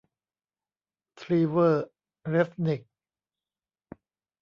ทรีเวอร์ เรซนิค